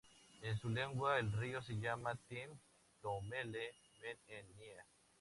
En su lengua, el río se llama "Teem.toomele men.en.nye".